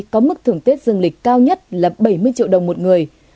có mức thưởng tết dương lịch cao nhất là bảy mươi triệu đồng một người